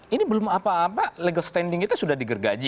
ini belum apa apa legal standing kita sudah digergaji